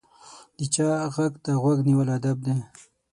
د چا غږ ته غوږ نیول ادب دی.